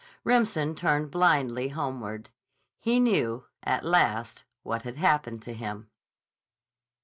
Remsen turned blindly homeward. He knew, at last, what had happened to him.